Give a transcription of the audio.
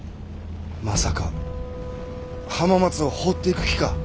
まさか浜松を放っていく気か。